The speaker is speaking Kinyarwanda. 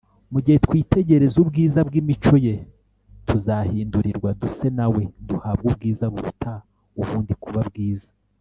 Mu gihe twitegereza ubwiza bw’imico Ye, ‘‘tuzahindurirwa duse na We duhabwe ubwiza buruta ubundi kuba bwiza.